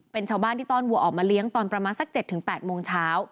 เป็นชาวบ้านที่ต้อนวัวออกมาเลี้ยงตอนประมาณสัก๗๘โมงเช้า